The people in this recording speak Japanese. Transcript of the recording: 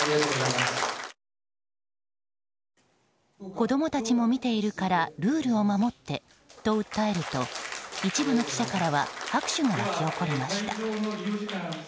子供たちも見ているからルールを守ってと訴えると一部の記者からは拍手が湧き起こりました。